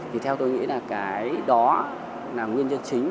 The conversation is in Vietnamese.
thì theo tôi nghĩ là cái đó là nguyên nhân chính